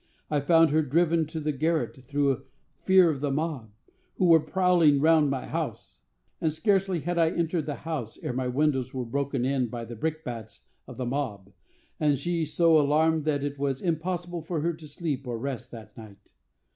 I found her driven to the garret, through fear of the mob, who were prowling round my house. And scarcely had I entered the house ere my windows were broken in by the brickbats of the mob, and she so alarmed that it was impossible for her to sleep or rest that night.